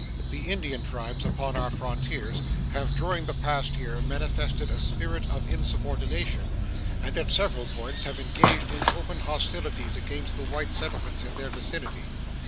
The Indian tribes upon our frontiers have during the past year manifested a spirit of insubordination, and at several points have engaged in open hostilities against the white settlements in their vicinity.